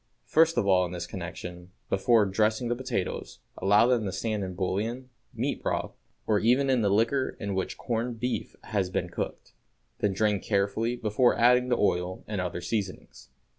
First of all in this connection, before dressing the potatoes allow them to stand in bouillon, meat broth, or even in the liquor in which corned beef has been cooked; then drain carefully before adding the oil and other seasonings.